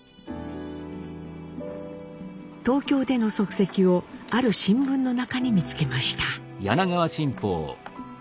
東京での足跡をある新聞の中に見つけました。